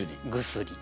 「薬」。